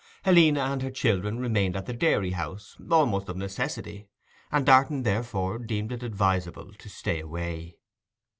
Helena and her children remained at the dairy house, almost of necessity, and Darton therefore deemed it advisable to stay away.